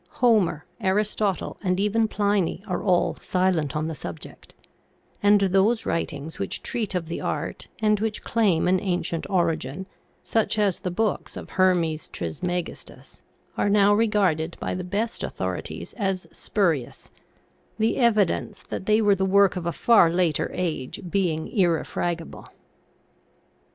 Homer, Aristotle, and even Pliny are all silent on the subject, and those writings which treat of the art, and which claim an ancient origin, such as the books of Hermes Trismegistus, are now TRANSMUTATION OF THE METALS 8l regarded by the best authorities as spurious the evi dence that they were the work of a far later age being irrefragable.